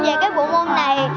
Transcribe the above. về cái bộ môn này